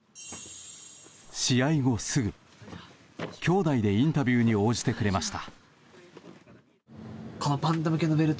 試合後すぐ兄弟でインタビューに応じてくれました。